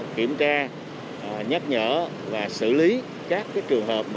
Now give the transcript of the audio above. kiểm tra nhắc nhở và xử lý các trường hợp